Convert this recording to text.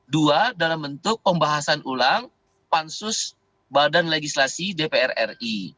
dua dalam bentuk pembahasan ulang pansus badan legislasi dpr ri